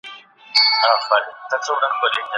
مشرانو به د ولس د ستونزو د له منځه وړلو غوښتنه کوله.